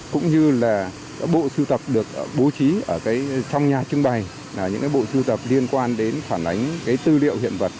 cũng như là bộ sưu tập được bố trí ở trong nhà trưng bày là những bộ sưu tập liên quan đến phản ánh cái tư liệu hiện vật